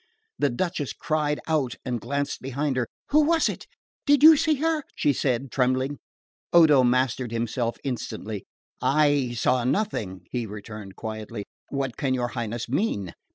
The Duchess cried out and glanced behind her. "Who was it? Did you see her?" she said trembling. Odo mastered himself instantly. "I saw nothing," he returned quietly. "What can your Highness mean?"